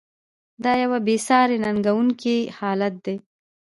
دا یوه بې ساري ننګونکی حالت دی.